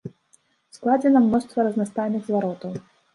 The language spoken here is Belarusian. Складзена мноства разнастайных зваротаў.